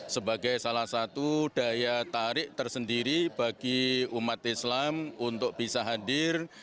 sebagai salah satu daya tarik tersendiri bagi umat islam untuk bisa hadir